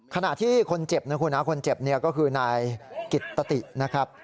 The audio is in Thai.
ขณะที่คนเจ็บนะคุณนะคนเจ็บเนี่ยก็คือนายกิตตินะครับ